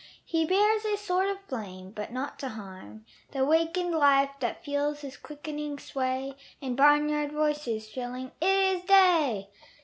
He bears a sword of flame but not to harm The wakened life that feels his quickening sway And barnyard voices shrilling "It is day!"